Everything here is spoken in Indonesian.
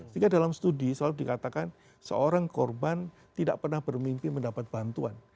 sehingga dalam studi selalu dikatakan seorang korban tidak pernah bermimpi mendapat bantuan